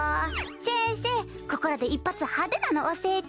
先生ここらで一発派手なのおせて。